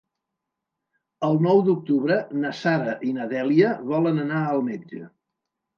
El nou d'octubre na Sara i na Dèlia volen anar al metge.